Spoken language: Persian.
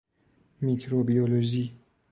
میکروبیولوژی